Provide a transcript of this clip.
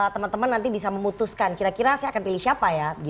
teman teman nanti bisa memutuskan kira kira saya akan pilih siapa ya